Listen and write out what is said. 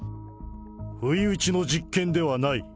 不意打ちの実験ではない。